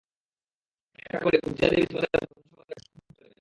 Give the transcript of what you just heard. এটা করলে উযযা দেবী তোমাদের ধন-সম্পদে ভরপুর করে দেবেন।